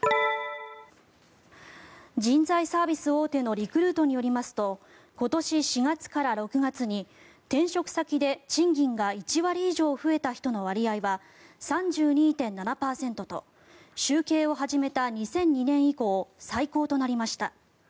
人材サービス大手のリクルートによりますと今年４月から６月に転職先で賃金が１割以上増えた人の割合は３２．７％と集計を始めた２００２年以降最高となりました。